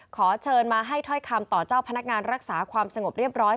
ขอเชิญมาให้ถ้อยคำต่อเจ้าพนักงานรักษาความสงบเรียบร้อย